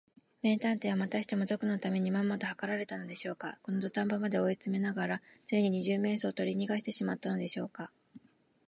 名探偵は、またしても賊のためにまんまとはかられたのでしょうか。このどたん場まで追いつめながら、ついに二十面相をとりにがしてしまったのでしょうか。